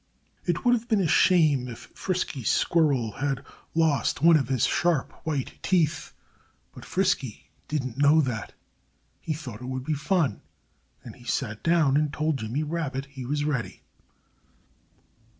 It would have been a shame if Frisky Squirrel had lost one of his sharp, white teeth. But Frisky didn't know that. He thought it would be fun. And he sat down and told Jimmy Rabbit he was ready.